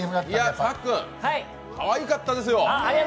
さっくんかわいかったですよ。